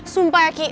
sumpah ya ki